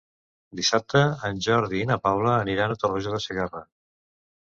Dissabte en Jordi i na Paula aniran a Tarroja de Segarra.